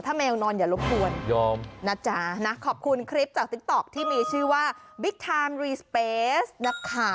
ถ้าแมวนอนอย่าลบบวนยอม